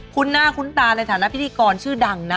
คุณหน้าคุ้นตาในฐานะพิธีกรชื่อดังนะ